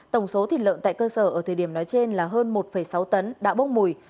tổng số thịt lợn tại cơ sở ở thời điểm nói trên là hơn một sáu tấn đã bốc mùi